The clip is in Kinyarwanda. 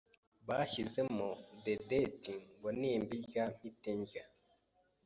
bashyiramo dedeti ngo nimbirya mpite ndya